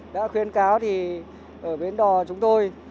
đã khuyến cáo thì ở bến đỏ chúng tôi